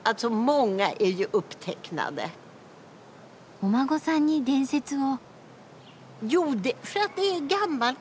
お孫さんに伝説を。